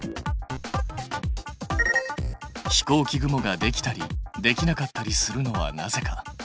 飛行機雲ができたりできなかったりするのはなぜか？